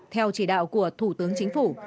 theo chỉ đạo của thủ tướng chính phủ